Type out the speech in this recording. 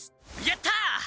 やった！